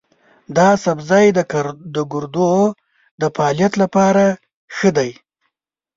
دا سبزی د ګردو د فعالیت لپاره ښه دی.